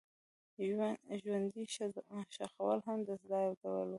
ژوندي ښخول هم د سزا یو ډول و.